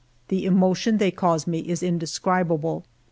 The emotion they cause me is indescribable.